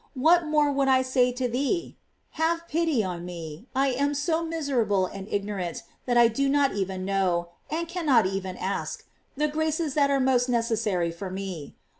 What more would I say to thee? Have pity on me. I am so miserable and ignorant that I do not even know, and cannot even ask, the graces that are most necessary for me.